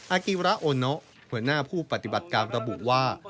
อากิระโอโนหัวหน้าผู้ปฏิบัติการระบุว่า